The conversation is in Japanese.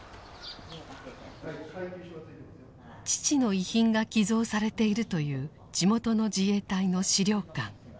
父の遺品が寄贈されているという地元の自衛隊の資料館。